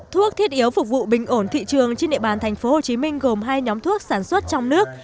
thuốc thiết yếu phục vụ bình ổn thị trường trên địa bàn tp hcm gồm hai nhóm thuốc sản xuất trong nước